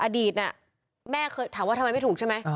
อดีตแม่ค่นคุยเยอะมากครับ